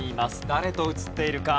誰と写っているか？